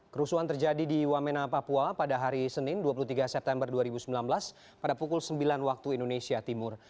kerusuhan terjadi di wamena papua pada hari senin dua puluh tiga september dua ribu sembilan belas pada pukul sembilan waktu indonesia timur